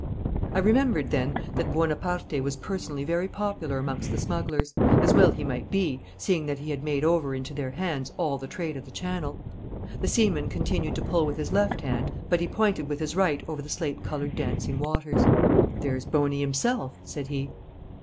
I remembered then that Buonaparte was personally very popular amongst the smugglers, as well he might be, seeing that he had made over into their hands all the trade of the Channel. The seaman continued to pull with his left hand, but he pointed with his right over the slate coloured dancing waters. 'There's Boney himself,' said he.